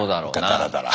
だらだら。